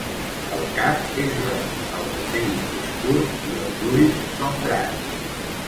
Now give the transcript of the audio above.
El cap és gros, el musell és curt i els ulls són grans.